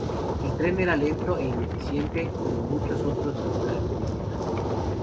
El tren era lento e ineficiente, como muchos otros de sus características.